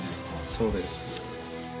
そうです。